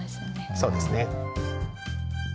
そうですね。